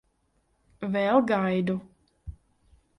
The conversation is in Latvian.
Vēl gaidu.